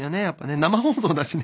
生放送だしね。